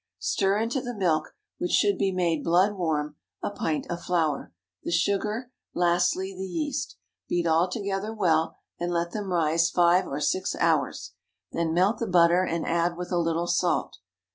Stir into the milk, which should be made blood warm, a pint of flour, the sugar, lastly the yeast. Beat all together well, and let them rise five or six hours. Then melt the butter, and add with a little salt.